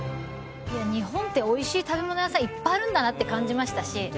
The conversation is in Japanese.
日本って美味しい食べ物屋さんいっぱいあるんだなって感じましたし。